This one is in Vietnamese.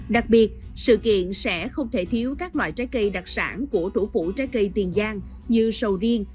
đặc biệt sự kiện sẽ không thể thiếu các loại trái cây đặc sản của thủ phủ trái cây tiền giang như sầu riêng